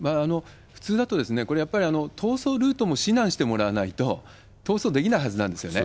普通だとこれやっぱり、逃走ルートも指南してもらわないと逃走できないはずなんですね。